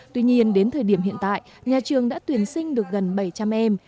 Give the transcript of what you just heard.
tuy nhiên đến thời điểm hiện tại nhà trường đã tuyển sinh được gần bảy trăm linh em